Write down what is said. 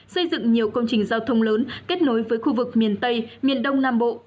xây dựng nhiều công trình giao thông lớn kết nối với khu vực miền tây miền đông nam bộ